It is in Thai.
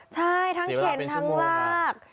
ใช่ทั้งเข็นทั้งลาก